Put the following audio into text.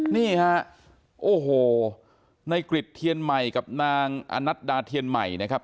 นี่ฮะโอ้โหในกริจเทียนใหม่กับนางอนัดดาเทียนใหม่นะครับ